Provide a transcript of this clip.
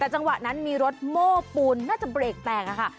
แต่จังหวะนั้นมีรถโม้ปูนน่าจะเบรกแตกค่ะ